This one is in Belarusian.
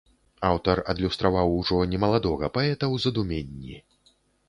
Аўтар адлюстраваў ужо немаладога паэта ў задуменні.